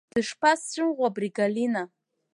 Дышԥасцәымӷу абри Галина!